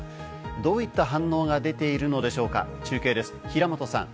どういった反応が出ているのでしょうか、中継です、平本さん。